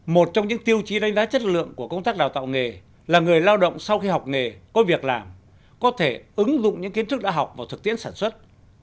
một trong những tiêu chí đánh giá chất lượng của công tác đào tạo nghề là người lao động sau khi học nghề có việc làm có thể ứng dụng những kiến thức đã học vào thực tiễn sản xuất